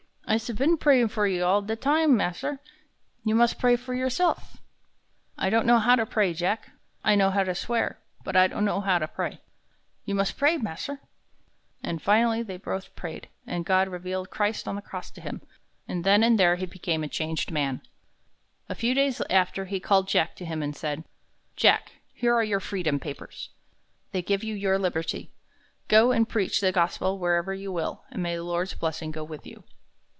"I'se been prayin' for you all de time, mas'r. You mus' pray for yourse'f." "I don't know how to pray, Jack. I know how to swear, but I don't know how to pray." "You mus' pray, mas'r." And finally they both prayed, and God revealed Christ on the cross to him, and then and there he became a changed man. A few days after, he called Jack to him and said: "Jack, here are your freedom papers. They give you your liberty. Go and preach the gospel wherever you will, and may the Lord's blessing go with you."